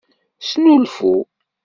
Snulfu.